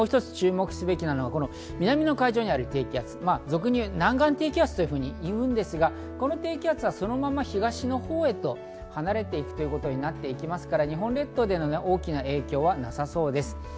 日曜日、もう一つ注目すべきなのが南の海上にある低気圧、南岸低気圧と言うんですが、この低気圧がそのまま東のほうへ離れていくということになりますから日本列島に大きな影響はなさそうです。